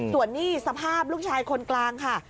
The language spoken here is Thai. ส่วนนี้สภาพลูกชายคนกลางค่ะ